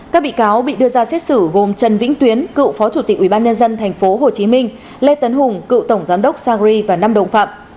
các bị cáo bị đưa ra xét xử gồm trần vĩnh tuyến cựu phó chủ tịch ubnd tp hcm lê tấn hùng cựu tổng giám đốc sagri và năm đồng phạm